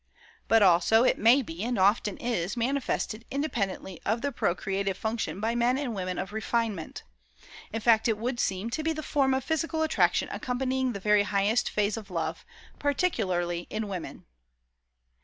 But also, it may be and often is manifested independently of the procreative function by men and women of refinement. In fact, it would seem to be the form of physical attraction accompanying the very highest phase of love, particularly in women.